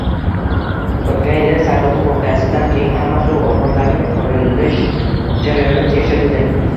“Oʻtgan yili Sardoba voqeasidan keyin hamma suv omborlarini qurilish jarayoni tekshirildi.